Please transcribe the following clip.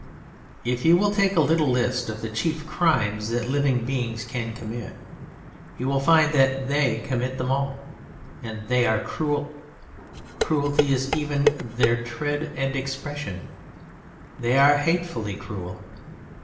If you will take a little list of the chief crimes that living beings can commit you will find that They commit them all. And They are cruel; cruelty is even in Their tread and expression. They are hatefully cruel.